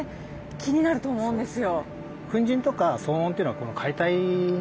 気になると思うんですよ。